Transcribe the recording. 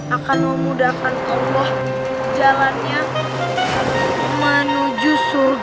akan memudahkan allah jalannya menuju surga